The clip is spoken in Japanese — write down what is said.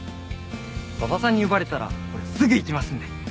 馬場さんに呼ばれたら俺すぐ行きますんで。